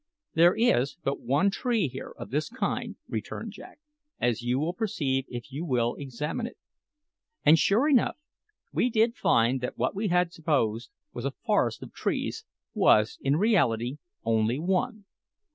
"There is but one tree here of this kind," returned Jack, "as you will perceive if you will examine it." And, sure enough, we did find that what we had supposed was a forest of trees was in reality only one.